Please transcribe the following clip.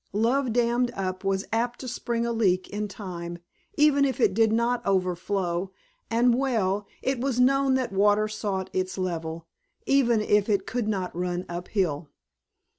Love dammed up was apt to spring a leak in time, even if it did not overflow, and well, it was known that water sought its level, even if it could not run uphill.